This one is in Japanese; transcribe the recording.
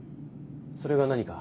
それが何か？